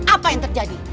apa yang terjadi